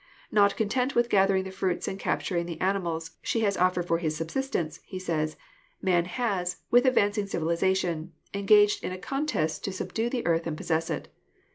"Not content with gathering the fruits and capturing the ani mals she has offered for his subsistence," he says, "Man has, with advancing civilization, engaged in a contest to subdue the earth and possess it.